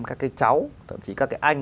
các cái cháu thậm chí các cái anh